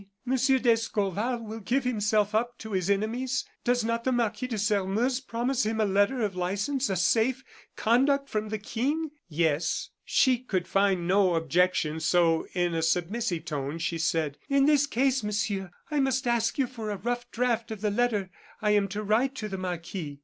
"Monsieur d'Escorval will give himself up to his enemies? Does not the Marquis de Sairmeuse promise him a letter of license, a safe conduct from the King?" "Yes." She could find no objection, so in a submissive tone, she said: "In this case, Monsieur, I must ask you for a rough draft of the letter I am to write to the marquis."